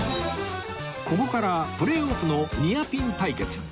ここからプレーオフのニアピン対決